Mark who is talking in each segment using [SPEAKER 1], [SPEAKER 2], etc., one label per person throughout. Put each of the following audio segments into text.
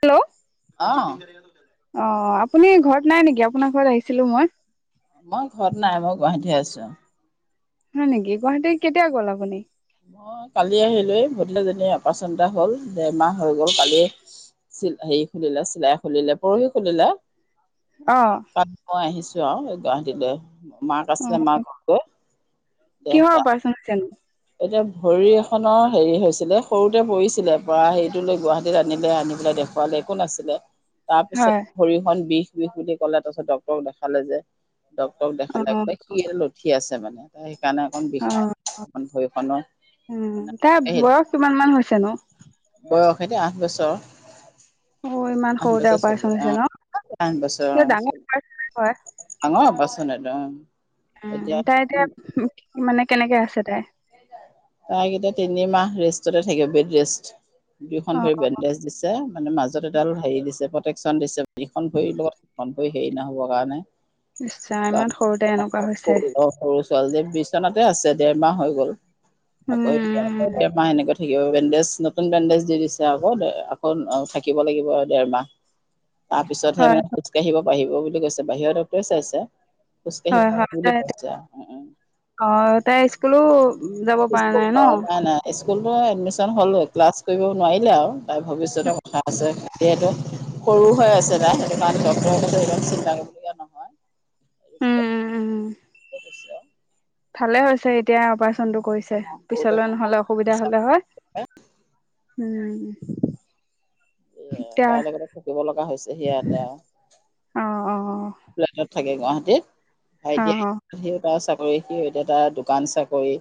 [SPEAKER 1] Hello
[SPEAKER 2] অ
[SPEAKER 1] অহ। আপুনি ঘৰত নাই নেকি আপোনাৰ ঘৰত আহিছিলো মই
[SPEAKER 2] মই ঘৰত নাই মই গুৱাহাটী আছো।
[SPEAKER 1] হয় নেকি গুৱাহাটীত কেতিয়া গ'ল আপুনি,
[SPEAKER 2] মই কালি আহিলো ভধলাজনী অপাৰচন এটা হল দেৰমাহ হৈ গল কালি হেৰি খুলিলা চিলাই খুলিলে পৰহি খুলিলা।
[SPEAKER 1] অ
[SPEAKER 2] পাম মই আহিছো। যা এই গুৱাহাটীলৈ মাক আছিলে
[SPEAKER 1] অ
[SPEAKER 2] মাক আকৈ,
[SPEAKER 1] কিহৰ অপাৰেচন হৈছেনো
[SPEAKER 2] এতিয়া ভৰি এখনৰ হেৰি হৈছিলে সৰুতে পৰিছিলে পৰা হেৰিটো লৈ গুৱাহাটীত আনিলে আনি পেলাই দেখুৱালে একো নাছিলে। তাৰপিছত
[SPEAKER 1] হয়
[SPEAKER 2] ভৰিহন বিষ শু শু ক'লে তাৰপিছ ড্ক্তৰক দেখালে যে, ডটৰক
[SPEAKER 1] অ
[SPEAKER 2] দেখালে ক সি ল উঠি আছে মানে, ত ণে অকণ বিষ
[SPEAKER 1] উ তাৰ বয়স কিমান মান হৈছে ন,
[SPEAKER 2] বয়স এনে আঠ বছৰ,
[SPEAKER 1] অ ইমান
[SPEAKER 2] আঠ
[SPEAKER 1] সৰুতে
[SPEAKER 2] বছৰ
[SPEAKER 1] অপাৰেচন
[SPEAKER 2] চলি
[SPEAKER 1] হৈছে ন
[SPEAKER 2] অঠ বছৰ
[SPEAKER 1] ডাঙৰ অপাৰেচন হয়
[SPEAKER 2] অঙ বাচনটো অ' উ
[SPEAKER 1] উম, তাই এতিয়া মানে কেনেকে আছে তাই?
[SPEAKER 2] তাইক এতিয়া তিনিমাহ ৰেষ্টতে থাকিব বেড ৰেষ্ট।
[SPEAKER 1] অ
[SPEAKER 2] দুয়োখন ভৰি বেণ্ডেজ দিছে, মানে মাজত এডাল হেৰি দিছে প্ৰতেক শ্যন দিছে। ইখন ভৰি লগত সিখন ভৰিত হেৰি নহ'বৰ কাৰণে
[SPEAKER 1] ইচলাম, ইমান সৰুতে এনেকুৱা হৈছে।
[SPEAKER 2] সৰু সৰু ছোৱালী যে বিচনাতে আছে। ডেৰ মাহ হৈ গ'ল। আকৌ
[SPEAKER 1] উম
[SPEAKER 2] [unintelligible] এনেকৈ থাকি বেণ্ডেজ নতুন, বেণ্ডেজ দি দিছে আকৌ, আকৌ থাকিব লাগিব দেৰমাহ। তাৰ পিছতহে
[SPEAKER 1] হয়
[SPEAKER 2] মানে খোজকাঢ়িব পাৰিব বুলি কৈছে, বাহিৰৰ ডক্টৰে চাইছে। খোজকাঢ়িব
[SPEAKER 1] হয়, হয়
[SPEAKER 2] বুলি কৈছে
[SPEAKER 1] [unintelligible]
[SPEAKER 2] আৰু
[SPEAKER 1] অ', তাই [unintelligible] পৰা
[SPEAKER 2] ইস্কুল
[SPEAKER 1] নাই ন
[SPEAKER 2] অ', নাই, নাই ইস্কুল এডমিচন হ'ল, ক্লাছ কৰিব নোৱাৰিলে আৰু তাই ভৱিষতৰ কথা আছে যিহেতু সৰু হৈ আছে তাই সেইটো কাৰণে ডক্তৰে কৈছে ইমান চিন্তা কৰিবলগীয়া নহয়।
[SPEAKER 1] উম
[SPEAKER 2] সৰুতে
[SPEAKER 1] উম উম। ভালে হৈছে এতিয়া অপা চনটো কৰিছে, পিছলৈ নহ'লে অসুবিধা হ'লে হয়। উম।
[SPEAKER 2] এ
[SPEAKER 1] এতিয়া
[SPEAKER 2] তাই লগতে থাকিব লগা হৈছে সিহঁতে আও।
[SPEAKER 1] অ অ
[SPEAKER 2] [unintelligible] থাকে গুৱাহাটীত
[SPEAKER 1] অ অ
[SPEAKER 2] ভাইটিয়ে সেই [unintelligible] কৰি সি এতিয়া তাই দোকান চাকৰি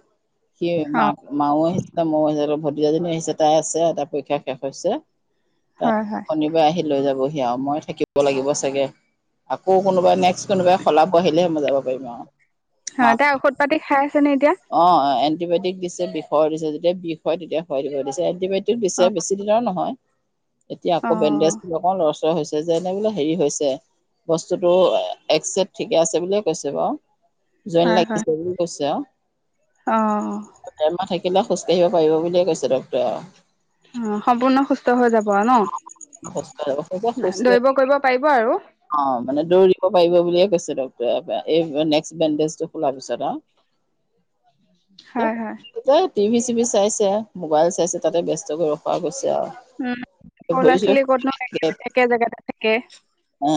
[SPEAKER 2] সি
[SPEAKER 1] অ
[SPEAKER 2] মা মাও শিচ ময়ো শি দুয়োজনী আহিছে তাই আছে তাইৰ পৰীক্ষা শেষ হৈছে। তাৰ
[SPEAKER 1] হয় হয়
[SPEAKER 2] শনিবাৰে আহি লৈ যাব হিয় আৰু মই থাকিব লাগিব চাগে। আকৌ কোনোবা নেক্সট কোবাই খলাব আহিলেহে মই যাব পাৰিম আৰু।
[SPEAKER 1] অ,
[SPEAKER 2] মাক
[SPEAKER 1] তাই ঔষধ পাতি খাই আছে নে এত
[SPEAKER 2] অ', এ এণ্টিবায়টিক দিছে বিষৰ দিছে যেতিয়া বিষ হয় তেতিয়া খুৱাই দিছে, এণ্টিবায়
[SPEAKER 1] অ
[SPEAKER 2] পিছে বেছি দিনৰ নহয়। এতিয়া আক
[SPEAKER 1] অ
[SPEAKER 2] বেণ্ডেজ নহওঁ লৰচৰ হৈছে। যেনে বোলে হেৰি হৈছে বস্তুটো একচেট ঠিকে আছে বুলিয়ে কৈছে বাৰু। জইন
[SPEAKER 1] হয় হয়
[SPEAKER 2] লাগিছে বুলি কৈছে আও।
[SPEAKER 1] অ'
[SPEAKER 2] খোজ কাঢ়িব পাৰিব বুলিয়ে কৈছে ডক্তৰে আৰু।
[SPEAKER 1] হম, সম্পূৰ্ণ সুস্থ হৈ যাব ন?
[SPEAKER 2] খোজ কাঢ়িব খোজ
[SPEAKER 1] দৌৰিব কৰিব পাৰিব আৰু?
[SPEAKER 2] অ', মানে দৌৰিব পাৰিব বুলিয়ে কৈছে ডক্টৰে। এই নেক্সট বেণ্ডেজটো খোলাৰ পিছত আৰু।
[SPEAKER 1] হয় হয়
[SPEAKER 2] [unintelligible] টিভি-চিভি চাইছে, মোবাইল চাইছে তাতে ব্যস্তকৈ ৰখোৱা গৈছে। আৰু
[SPEAKER 1] উম, সৰু
[SPEAKER 2] ভৰি চৰি
[SPEAKER 1] ল'ৰা-ছোৱালী ক'তনো
[SPEAKER 2] থাকে
[SPEAKER 1] একে জেগাতে থাকে।
[SPEAKER 2] হ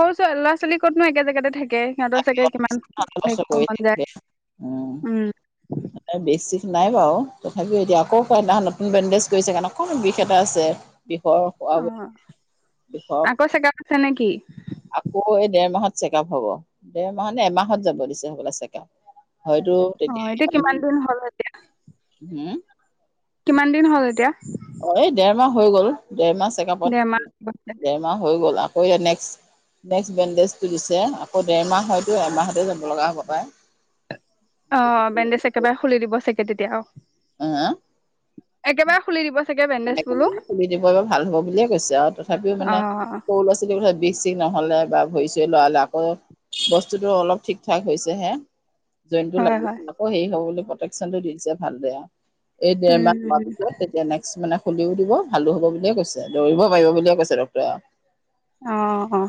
[SPEAKER 1] সৰু চ ল'ৰা ছোৱালী কতনো একে জেগাতে থাকে সিহঁতৰ চাগে কিমান হেৰি কৰিব
[SPEAKER 2] থাকে
[SPEAKER 1] মন যায় উম
[SPEAKER 2] উ বেছি। নাই বাৰু তথাপিও এতিয়া আকৌ কদিনা নতুন বেণ্ডেজ কৰিছে কাৰণে অকণো বিষ এটা আছে। বিষৰ
[SPEAKER 1] অ'
[SPEAKER 2] বিষৰ
[SPEAKER 1] আকৌ চেগ আছে নে কি?
[SPEAKER 2] আকৌ এই দেৰ মাহত চেকআপ হব দেৰ মাহ নে এমাহত যাব দিছে সব চেকআপ হয়তো
[SPEAKER 1] অ এইটো
[SPEAKER 2] তেতিয়া
[SPEAKER 1] কিমান দিন হ'ল এতিয়া
[SPEAKER 2] হম।
[SPEAKER 1] কিমান দিন হ'ল এতিয়া
[SPEAKER 2] অ' এই দেৰ মাহ হৈ গ'ল ডৰমাহ
[SPEAKER 1] দেৰমাহ
[SPEAKER 2] চেকআপত দেৰমাহ হৈ গ'ল আ নেক্সট নেক্সট বেণ্ডেজটো দিছে আকৌ ডেৰমাহ হয়তো এমাহতে যাব লগা হ'ব পাৰে
[SPEAKER 1] অ' বেণ্ডেজ একেবাৰে খুলি দিব চাগে তেতিয়া,
[SPEAKER 2] আহ,
[SPEAKER 1] একেবাৰে খুলি দিব। চাগে বেণ্ডেজ বোলো
[SPEAKER 2] খুলি দিব ভ হব বুলিয়ে কৈছে আৰু তথাপিও
[SPEAKER 1] অ
[SPEAKER 2] মানে সৰু ল'ৰা ছোৱালী ক বিষ চষ নহ'লে বা ভৰি চৰি লৰালে আকৌ বস্তুতটো অলপ ঠিক ঠাক হৈছে হে জইনতটো
[SPEAKER 1] হয় হয়
[SPEAKER 2] লাগিছিল আকৌ হেৰি হ'ব প্ৰটেকচনটো দিছে, ভাল বেয়া এই ডেৰ মাহ
[SPEAKER 1] উম
[SPEAKER 2] সোমোৱাৰ
[SPEAKER 1] উম
[SPEAKER 2] পিছত তেতিয়া নেক্সট কিছুমানে খুলিও দিব, ভালো হ'ব বুলিয়ে কৈছে। দৌৰিব পাৰিব বুলিয়ে কৈছে ডাক্তৰে আৰু
[SPEAKER 1] অ অ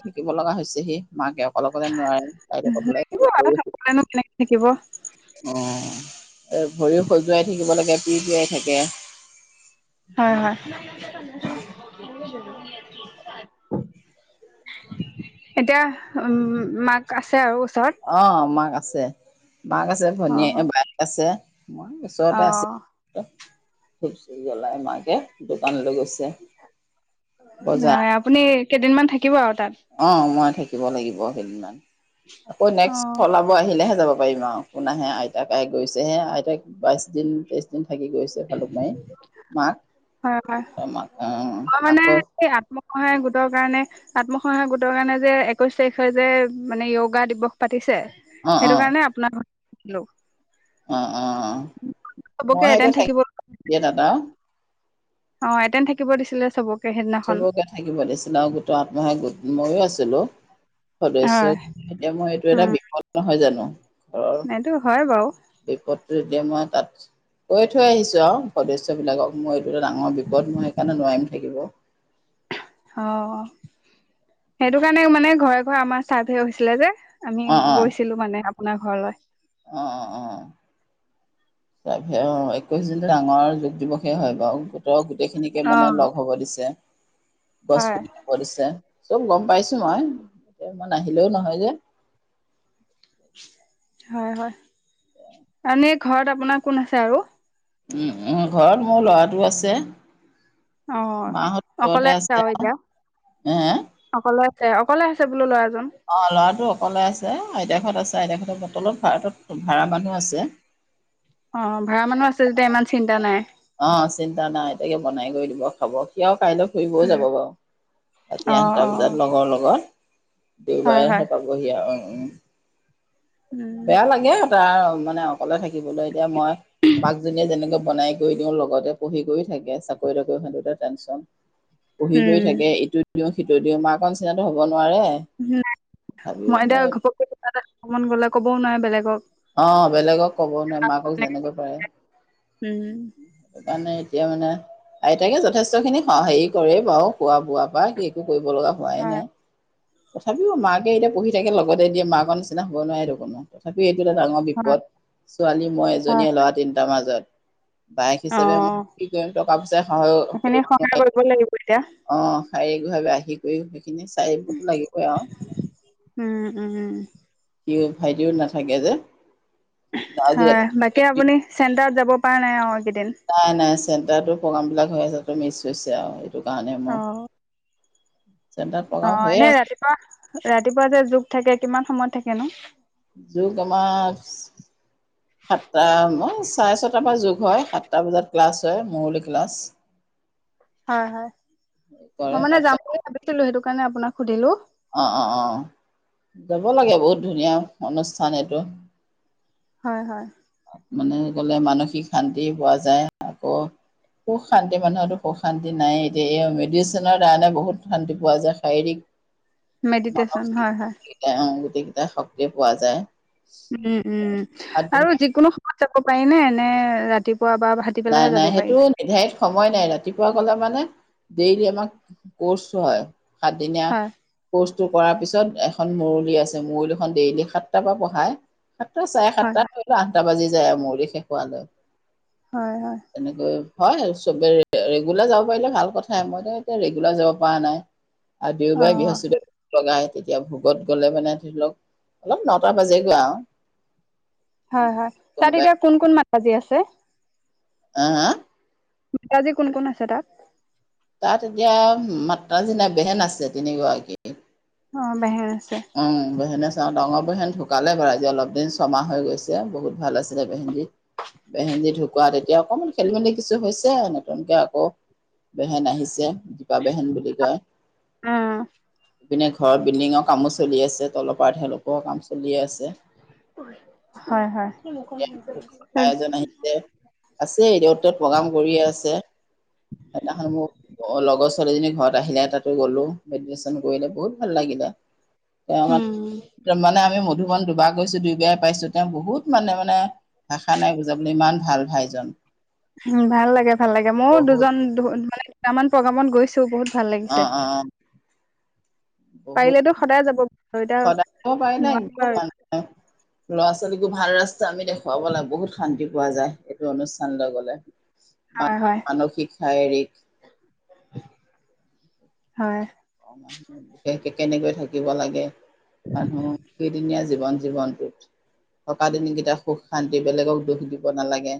[SPEAKER 2] [inaudible] শিকিব লগা হৈছে, সি মাকে অকল-অকলে নোৱাৰে, আইতাকক লৈ
[SPEAKER 1] থাকিব আৰু
[SPEAKER 2] [unintelligible] অ'।
[SPEAKER 1] নকলেনো কেনেকে থাকিব
[SPEAKER 2] এ', ভৰিও খজুৱাই থাকিব লাগে পিৰ্ পিৰাই থাকে
[SPEAKER 1] হয়, হয়। [inaudible] ধ [unintelligible] এতিয়া উম মাক আছে আৰু। ওচৰত
[SPEAKER 2] অঁ মাক আছে। মাক আছে
[SPEAKER 1] অ
[SPEAKER 2] ভনীয়ে, বাইক আছে। মই
[SPEAKER 1] অ
[SPEAKER 2] ওচৰতে আছো। ধূপ চুব জ্বলাই মাকে দোকানলৈ গৈছে। বজাৰ
[SPEAKER 1] নাই আপুনি কেইদিনমান থাক
[SPEAKER 2] অ মই থাকি থাকিব লাগিব সেইদিনা। আকৌ
[SPEAKER 1] অ
[SPEAKER 2] নেক্সট চলাব আহিলেহে যাব পাৰিম আৰু কোোন আহে আইতাক গৈছেহে আইতাক বাইছ দিন তে্ৰইছ দিন ভাগি গৈছে ভালুক মাৰি
[SPEAKER 1] হয় হয়
[SPEAKER 2] মাক মাক অ
[SPEAKER 1] মই মানে
[SPEAKER 2] আকৌ
[SPEAKER 1] এই আত্মসহায়ক গোটৰ কাৰণে আত্মসহায়ক গোটৰ কাৰণে যে একৈশ তাৰিখে যে মানে য়োগা দিৱস পাতিছে।
[SPEAKER 2] অ
[SPEAKER 1] সেইটো কাৰণে আপোনাৰ লো।
[SPEAKER 2] অ অ অ
[SPEAKER 1] চবকে
[SPEAKER 2] মই এতিয়া
[SPEAKER 1] এটেণ্ড
[SPEAKER 2] থাকি
[SPEAKER 1] থাকিব
[SPEAKER 2] দি দাদাও।
[SPEAKER 1] অ এতেন থাকিব দিছিলে চবক-
[SPEAKER 2] চবকে থাকিব দিছে ন গোট আত্ম সহায় গোট- ময়ো আছিলো। সদস্য
[SPEAKER 1] হয়
[SPEAKER 2] এতিয়া মই এইটো এটা বিপদ নহয় জানো। ঘৰৰ
[SPEAKER 1] নাতো হয় বাৰু।
[SPEAKER 2] বিপদটো যেতিয়া মই তাত কৈ থৈ আহিছো আৰু সদস্যবিলাকক মই এইটো এটা ডাঙৰ বিপদ মই সেইকাৰণে নোৱাৰিম থাকিব।
[SPEAKER 1] অ সেইটো কাৰণে মানে ঘৰে ঘৰে আমাৰ চাৰভে হৈছিলে যে আমি
[SPEAKER 2] অ',
[SPEAKER 1] গৈছিলো মানে আপোনাৰ ঘৰলৈ।
[SPEAKER 2] অ অ অ অ একৈশ জুন ডাঙৰ যোগ দিৱসে হয়। গোট গোটেইখিনিকে
[SPEAKER 1] অ
[SPEAKER 2] মানে লগ হ'ব দিছে। গছ
[SPEAKER 1] হয়
[SPEAKER 2] পুলি ৰুব দিছে। চব গম পাইছো মই এতিয়া নাহিলেও নহয় যে।
[SPEAKER 1] হয় হয় এনে ঘৰত আপোনাৰ কোন আছে আৰু?
[SPEAKER 2] ঘৰত মোৰ ল'ৰাটো আছে।
[SPEAKER 1] অ' অ',
[SPEAKER 2] মাহঁত
[SPEAKER 1] অকলে
[SPEAKER 2] ঘৰতে
[SPEAKER 1] আছে আৰু এতিয়া,
[SPEAKER 2] হে
[SPEAKER 1] অকলে অকলে আছে বুলো ল'ৰা
[SPEAKER 2] অ', ল'ৰাটো অ অকলে আছে, আইতাকহঁত আছে, আইতাকহঁতৰ তলত-ফ্লেটত ভাড়া মানুহ আছে।
[SPEAKER 1] অ', ভাড়া মানুহ আছে যেতিয়া ইমান চিন্তা নাই।
[SPEAKER 2] অ', চিন্তা নাই, আইতাকে বনাই কৰি দিব, খাব, সি আৰু কাইলৈ ফুৰিবও
[SPEAKER 1] উম
[SPEAKER 2] যাব বাৰু,
[SPEAKER 1] অ
[SPEAKER 2] ৰাতি
[SPEAKER 1] অ
[SPEAKER 2] আঠটা বজাত লগৰৰ লগত।
[SPEAKER 1] হয় হয়
[SPEAKER 2] দেওবাৰেহে পাবহি আৰু, অ' উম'
[SPEAKER 1] উম
[SPEAKER 2] বেয়া লাগে আৰু তাৰ আৰু মানে অকলে থাকিবলৈ এতিয়া মই বাকজনীয়ে যেনেকে বনাই কৰি দিওঁ লগতে পঢ়ি কৰি থাকে, চাকৰি তাকৰি সেইটোতে টেনচন। পঢ়ি গৈ থাকে
[SPEAKER 1] উম
[SPEAKER 2] এইটো এইটো সিটো দিওঁ মাকৰ নিচিনাতো হ'ব নোৱাৰে।
[SPEAKER 1] নাই মই এতিয়া
[SPEAKER 2] তথাপিও
[SPEAKER 1] ঘপককে কিবা এটা [unintelligible] গ'লে ক'বও নোৱাৰে বেলেগক।
[SPEAKER 2] অ', বেলেগক ক'ব নাই মাকক যেনেকৈ পাৰে।
[SPEAKER 1] উম
[SPEAKER 2] সেইকাৰণে এতিয়া মানে আইতাকে যথেষ্টখিনি হেৰি কৰে বাৰু খোৱা বোৱা পা একো কৰিব লগা হোৱাই
[SPEAKER 1] হয়
[SPEAKER 2] নাই। তথাপিও মাকে এতিয়া পঢ়ি থাকে লগতে দিয়ে মাকৰ নিচনা হ'ব নোৱাৰেটো কোনো তথাপিও টা ডাঙৰ
[SPEAKER 1] হয়
[SPEAKER 2] বিপদ, ছোৱালী মই
[SPEAKER 1] হয়
[SPEAKER 2] এজনীয়ে ল'ৰা তিনটাৰ মাজত। বায়েক
[SPEAKER 1] অ
[SPEAKER 2] হিচাপে মই কি কৰিম টকা পইচাই সহায়
[SPEAKER 1] এইখিনি
[SPEAKER 2] কৰিব
[SPEAKER 1] সহায়
[SPEAKER 2] নোৱাৰি
[SPEAKER 1] কৰিব লাগিব এতিয়া
[SPEAKER 2] অ', সেই ভাৱে আহি কৰি তিনি চাইবতো লাগিবই আৰু।
[SPEAKER 1] উম উম
[SPEAKER 2] সি ভাইটিও নাথাকে যে। আজি
[SPEAKER 1] হয়,
[SPEAKER 2] ৰাতিপুৱা
[SPEAKER 1] বাকী আপুনি চেণ্টাৰত যাব পৰা নাই অ
[SPEAKER 2] নাই নাই চেণ্টাৰো প্ৰগ্ৰাম বিলাক হৈ আছে টো মিছ হৈছে আও সেইটো কাৰণে
[SPEAKER 1] অ
[SPEAKER 2] ম [inaudible]
[SPEAKER 1] অ এনেই ৰাতিপুৱা ৰাতিপুৱা যে যোগ থাকে কিমান সময়ত থাকেনো
[SPEAKER 2] যোগ আমাৰ সাতটা চাৰে ছটাৰ পৰা যোগ হয় সাতটা বজাত ক্লাছ হয় মৌলিক ক্লাছ
[SPEAKER 1] হয় হয়
[SPEAKER 2] কৰে
[SPEAKER 1] মই মানে যাম
[SPEAKER 2] তাৰপিছত
[SPEAKER 1] বুলি ভাবিছিলোঁ, সেইটো কাৰণে আপোনাক সুধিলোঁ।
[SPEAKER 2] অ', অ', অ', যাব লাগে, বহুত ধুনীয়া অনুষ্ঠান এইটো।
[SPEAKER 1] হয়, হয়।
[SPEAKER 2] মানে গ'লে মানসিক শান্তি পোৱা যায়, আকৌ সুখ শান্তি মানুহৰটো সুখ শান্তি নাই এতিয়া এই মেডিচিনৰ কাৰণে বহুত শান্তি পোৱা যায়, শাৰীৰিক
[SPEAKER 1] মেডিটেচন হয়, হয়।
[SPEAKER 2] গোটেইকিটা শক্তি পোৱা যায়।
[SPEAKER 1] উম, উম আৰু যিকোনো সম [unintelligible] পাৰিনে? নে ৰাতি
[SPEAKER 2] নাই, নাই সেইটো নিৰ্ধাৰিত সময় নাই, ৰাতি পুৱা গ'লে মানে ডেইলি আমাক কৰ্চ হয় সাতদিনীয়া
[SPEAKER 1] হয়
[SPEAKER 2] কৰ্চটো কৰাৰ পিছত এখন মুুৰলি আছে, মুৰলীখন ডেইলি সাতটাৰ পৰা পঢ়ায়। সাতটা চাৰে
[SPEAKER 1] হয় হয়
[SPEAKER 2] সাতটাত [unintelligible] আঠটা বাজি যায় মৰি শেষ হোৱালৈ
[SPEAKER 1] হয়, হয়।
[SPEAKER 2] তেনেকৈ হয়, চবে ৰে-ৰেগুলাৰ যাব পাৰিলে ভাল কথাাই, মইতো এতিয়া ৰেগুলাৰ যাব পৰা নাই। আৰু
[SPEAKER 1] অ
[SPEAKER 2] দেওবাৰে, বৃহস্প লগাই তেতিয়া ভোকত গ'লে মানে ধৰি লওঁক অলপ নটা বাজে গৈ আৰু।
[SPEAKER 1] হয়, হয় তাত
[SPEAKER 2] কোনোবাই
[SPEAKER 1] এতিয়া কোন, কোন মান বাজি আছে
[SPEAKER 2] আ, আ
[SPEAKER 1] আজি কোন, কোন আছে তাত?
[SPEAKER 2] তাত এতিয়া মাত্ৰা [unintelligible] বেহেন আছে তিনিগৰাকৰাকী।
[SPEAKER 1] অ', বেহে
[SPEAKER 2] অ', বেহেন ডাঙৰ বেহেন ঢুকালে বাৰু আজি অলপ দিন ছমাহ হৈ গৈছে, বহুত ভাল আছিলে বেহেনজি, বেহেনজি ঢুকোৱাত এতিয়া অকণমান খেলি মেলি কিছু হৈছে নতুনকৈ আকৌ বেহেন আহিছে। দীপা বেহেন বুলি কয়।
[SPEAKER 1] অ
[SPEAKER 2] ইপিনে ঘৰৰ বিল্ডিংত কামো চলি আছে, তলৰ পাৰ্টহে ল'ব কাম চলিয়ে আছে,
[SPEAKER 1] হয় হয়
[SPEAKER 2] [unintelligible] আছেই অ'ত ত'ত প্ৰগ্ৰাম কৰিয়েই আছে। সেইদিনাখন মোৰ লগৰ ছোৱালীজনী ঘৰত আহিলে তাতো গ'লো, মেডিটেচন কৰিলে বহুত ভাল লাগিলে।
[SPEAKER 1] উম
[SPEAKER 2] [unintelligible] মানে আমি মধুবন দুবাৰ গৈছোঁ দুই বাই পাইছোঁ তেওঁ বহুত মানে মানে ভাষা নাই বুজাবলৈ ইমান ভাল ভাইজন।
[SPEAKER 1] উম, ভাল লাগে, ভাল লাগে ময়ো
[SPEAKER 2] বহুত
[SPEAKER 1] দুজন মানে কেইটামান প্ৰগ্ৰামত গৈ ছ বহুত ভাল
[SPEAKER 2] অ
[SPEAKER 1] লাগিছে
[SPEAKER 2] অ অ
[SPEAKER 1] পাৰিলেতো সদায় যাব এতিয়া
[SPEAKER 2] সদায় কব পাৰিলে
[SPEAKER 1] নোৱাৰিব আৰু
[SPEAKER 2] পল ভাল ৰাস্তা আমি দেখুৱাব লাগে বহুত শান্তি পোৱা যায় এইটো অনুষ্ঠানলৈ গলে
[SPEAKER 1] হয় হয়
[SPEAKER 2] মানসিক শাৰীৰিক
[SPEAKER 1] হয়
[SPEAKER 2] মানুহ বিশেষকে কেনেকৈ থাকিব লাগে মানহ কেৰিিন জীৱন জীৱনটোত থকা দিনকেইটা সুখ শান্তি বেলেগক দুখ দিব নালাগে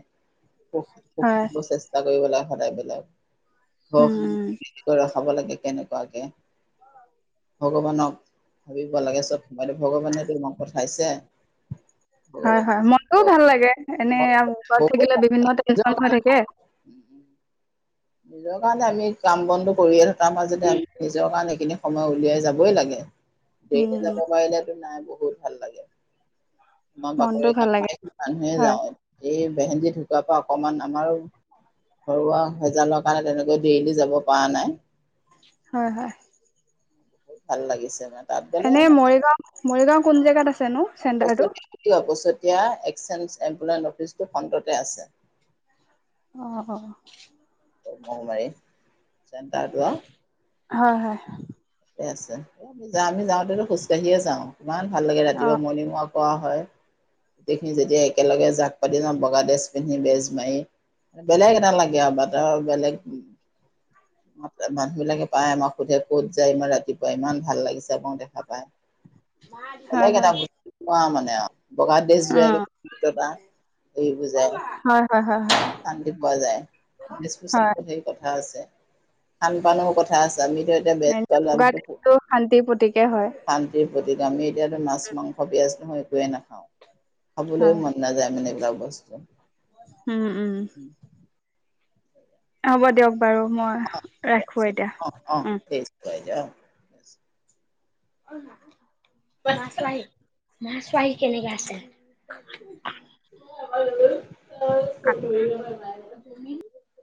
[SPEAKER 2] খ
[SPEAKER 1] হয়
[SPEAKER 2] পুখিব চেষ্টা কৰিবলৈ সদায় ল
[SPEAKER 1] উম
[SPEAKER 2] ঘৰ ৰখাব লাগে কেনেকুৱাকে ভগৱানক ভাবিব লাগে চব সোমাইো ভগৱানে তোমাক পঠাইছে
[SPEAKER 1] হয়
[SPEAKER 2] ভগৱান
[SPEAKER 1] হয় মনটোও ভাল লাগে এনে ওৰত
[SPEAKER 2] বহুত
[SPEAKER 1] থাকিলে বিভিন্ন টেনচন
[SPEAKER 2] নিজৰ
[SPEAKER 1] হৈ
[SPEAKER 2] কাৰণে
[SPEAKER 1] থাকে
[SPEAKER 2] লগ কাৰণে আমি কাম বনধ কৰিয়ে থকা মই যদি নিজৰ কাৰণে িনি সময় উলিয়াই যাবই লাগে দেি
[SPEAKER 1] উম
[SPEAKER 2] যাব বাইলেত নাই তোমাৰ
[SPEAKER 1] মনটো
[SPEAKER 2] বাকৰি গ
[SPEAKER 1] ভাল লাগে
[SPEAKER 2] মানুহে
[SPEAKER 1] হয়
[SPEAKER 2] যাওঁ এই বেহেজি ঢুকুৱাৰ পৰা অকমান আমাৰো ঘৰুৱা হেজালৰ কাৰণে তেনেকৈ দেলি যাব পৰা নাই
[SPEAKER 1] হয় হয়
[SPEAKER 2] বহুত ভাল লাগিছে মানে তাত গ'লে
[SPEAKER 1] এনে
[SPEAKER 2] মানে
[SPEAKER 1] মৰিগাও মৰিগাও কোন জেগাত আছে নো চেণ্টাৰটো
[SPEAKER 2] এতিয়া এক্সেঞ্জ এম্পুলয়েন্ অফিচটো সন্ততে আছে
[SPEAKER 1] আহ
[SPEAKER 2] মমাৰী চটাৰটোোৱা
[SPEAKER 1] হয় হয়
[SPEAKER 2] ঠিক আছে আমি যাওঁতেো খোজকাঢ়িয়ে যাওঁ ইমান ভাল লাগে
[SPEAKER 1] অ
[SPEAKER 2] ৰাতিপুৱা মৰ্ণিং ৱাক কৰা হয় গোটেইখিনি যেতিয়া একেলগে জাক পাতি ন বগা ড্ৰেজ পিন্ধি বেজ মাৰি বেলেগ এটা লাগে আৰু বাটৰ বেলেগ মানুহ বিলাকে পাই আমাক সোধে ক'ত যায় ইমান ৰাতিপুৱা ইমান ভাল লাগিছে যাব দেখা পাই
[SPEAKER 1] হয়
[SPEAKER 2] বেলেগ
[SPEAKER 1] হয়
[SPEAKER 2] এটা বস্তু অ মান বগা
[SPEAKER 1] অ
[SPEAKER 2] [unintelligible] এইটো যে
[SPEAKER 1] হয় হয় হয় হয়
[SPEAKER 2] শান্তি পোৱা যায়, [unintelligible]
[SPEAKER 1] হয়
[SPEAKER 2] বুলি কথা আছে। ভাল পালেও, কথা আছে আমিতো এতিয়া বেজ পালো
[SPEAKER 1] [unintelligible]
[SPEAKER 2] আমিতো
[SPEAKER 1] টো শান্তিৰ প্ৰতীক।
[SPEAKER 2] শান্তিৰ প্ৰতীক। আমি এতিয়াতো মাছ-মাংস [unintelligible] নহয় টোৱে নাখাওঁ। খাবলৈ
[SPEAKER 1] হয়
[SPEAKER 2] মন নাযায় মানে তাপাছতে
[SPEAKER 1] উম, উম। হ'ব দিয়ক বাৰু মই ৰাখো
[SPEAKER 2] অ অ অ',
[SPEAKER 1] এতিয়া।
[SPEAKER 2] টেষ্ট [unintelligible]
[SPEAKER 1] [unintelligible] মা চোৱাহী, মা চোৱাহী কেনেকে আছে। [inaudible]
[SPEAKER 2] [unintelligible]
[SPEAKER 1] [unintelligible] তুমি